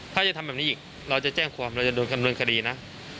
ถ้าจะทำแบบนี้อีกเราจะแจ้งความเราจะโดนดำเนินคดีนะ